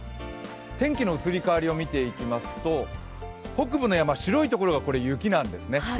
天気の移り変わりを見ていきますと、北部の白い所が雪なんです。